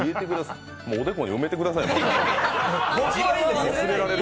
もう、おでこに埋めてください。